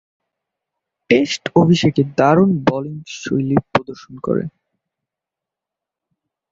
Test অভিষেকে দারুণ বোলিংশৈলী প্রদর্শন করেন।